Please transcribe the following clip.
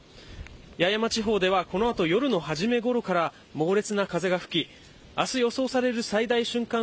八重山地方ではこの後、夜のはじめごろから猛烈な風が吹き明日予想される最大瞬間